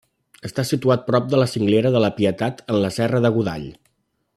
Està situat prop de la cinglera de la Pietat en la serra de Godall.